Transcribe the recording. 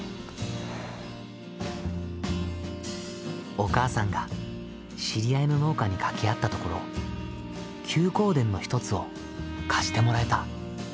お母さんが知り合いの農家に掛け合ったところ休耕田の一つを貸してもらえた。